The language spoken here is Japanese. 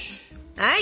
はい！